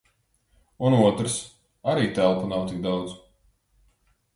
Un otrs - arī telpu nav tik daudz...